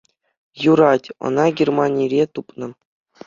Юрать, ӑна Германире тупнӑ.